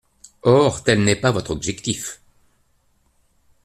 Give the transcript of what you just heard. Or tel n’est pas votre objectif.